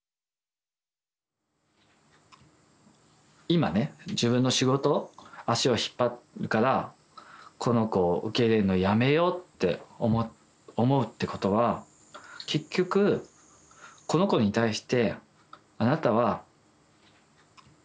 今ね自分の仕事足を引っ張るからこの子を受け入れるのやめようって思うってことは結局この子に対して「あなたは私の仕事の邪魔になる。